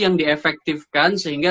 yang diefektifkan sehingga